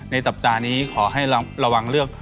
สัปดาห์นี้ขอให้ระวังเลือก